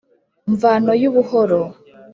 Mvano y'ubuhoro